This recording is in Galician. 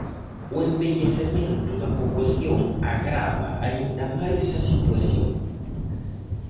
O envellecemento da poboación agrava aínda máis a situación.